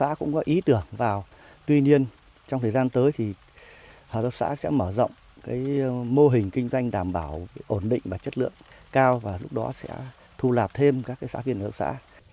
hợp tác cũng có ý tưởng vào tuy nhiên trong thời gian tới thì hợp tác xã sẽ mở rộng mô hình kinh doanh đảm bảo ổn định và chất lượng cao và lúc đó sẽ thu lạc thêm các xã viên hợp tác xã